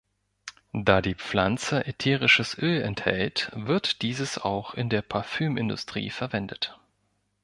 Da die Pflanze ätherisches Öl enthält, wird dieses auch in der Parfümindustrie verwendet.